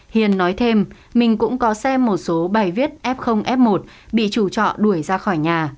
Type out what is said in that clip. hiền nói thêm mình cũng có xem một số bài viết f f một bị chủ trọ đuổi ra khỏi nhà